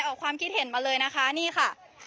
ออกความคิดเห็นมาเลยนะคะนี่ค่ะ